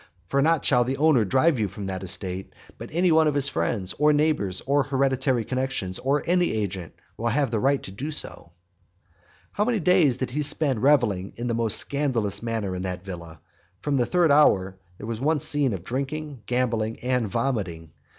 For not only shall the owner drive you from that estate, but any one of his friends, or neighbours, or hereditary connexions, and any agent, will have the right to do so. XLI. But how many days did he spend revelling in the most scandalous manner in that villa! From the third hour there was one scene of drinking, gambling, and vomiting.